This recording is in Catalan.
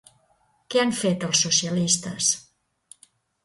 Què han fet els socialistes?